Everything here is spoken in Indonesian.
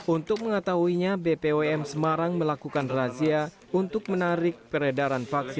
untuk mengetahuinya bpom semarang melakukan razia untuk menarik peredaran vaksin